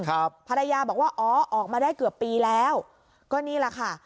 ภรรยาบอกว่าอ๋อออกมาได้เกือบปีแล้วก็นี่แหละค่ะ